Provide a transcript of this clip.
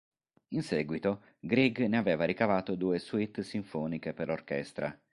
In seguito, Grieg ne aveva ricavato due suite sinfoniche per orchestra.